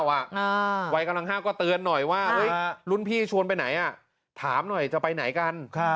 วัยกำลัง๕ก็เตือนหน่อยว่ารุ่นพี่ชวนไปไหนถามหน่อยจะไปไหนกัน